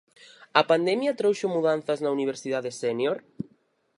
A pandemia trouxo mudanzas na universidade sénior?